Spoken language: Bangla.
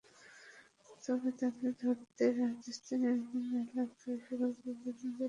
তবে তাদের ধরতে রাজস্থানের বিভিন্ন এলাকায় সাঁড়াশি অভিযান চালাচ্ছে নিরাপত্তা বাহিনী।